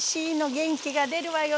元気が出るわよね。